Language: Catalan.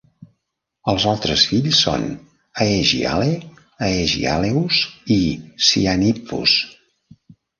Els altres fills són Aegiale, Aegialeus i Cyanippus.